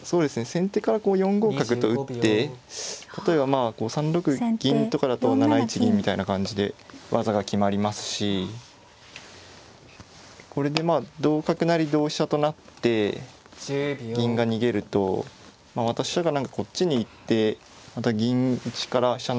先手からこう４五角と打って例えばまあこう３六銀とかだと７一銀みたいな感じで技が決まりますしこれで同角成同飛車となって銀が逃げるとまた飛車が何かこっちに行ってまた銀打ちから飛車